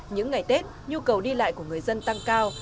những ngày tết nhu cầu đi lại của người dân tăng cao